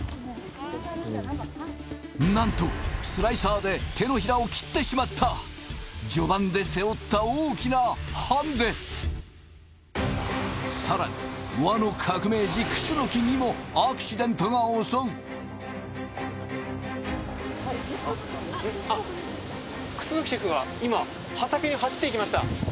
なんとスライサーで手のひらを切ってしまった序盤で背負った大きなハンデさらに和の革命児楠にもアクシデントが襲うあっ楠シェフが今畑に走っていきました